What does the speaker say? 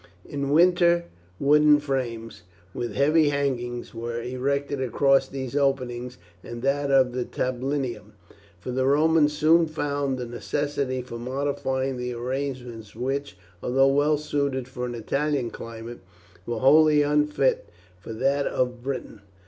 In winter wooden frames, with heavy hangings, were erected across these openings and that of the tablinum, for the Romans soon found the necessity for modifying the arrangements which, although well suited for an Italian climate, were wholly unfit for that of Britain.